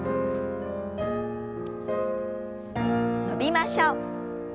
伸びましょう。